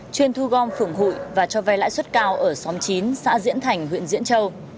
chuyên thu gom phởng hụi và cho vay lãi suất cao ở xóm chín xã diễn thành huyện diễn châu